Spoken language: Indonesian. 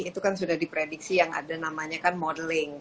itu kan sudah diprediksi yang ada namanya kan modeling